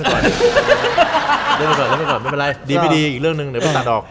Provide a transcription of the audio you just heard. เรื่องไปก่อนเลื่อนไปก่อนไม่เป็นไรดีไม่ดีอีกเรื่องหนึ่งเดี๋ยวไปตัดออก